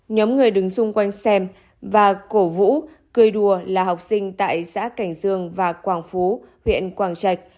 nhóm người đứng xung quanh xem và cổ vũ cười đùa là học sinh tại xã cảnh dương và quảng phú huyện quảng trạch